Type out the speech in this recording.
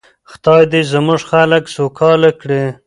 خدای دې زموږ خلک سوکاله کړي.